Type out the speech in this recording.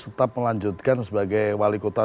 tetap melanjutkan sebagai wali kota